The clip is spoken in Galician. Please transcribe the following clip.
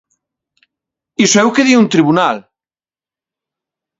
Iso é o que di un tribunal.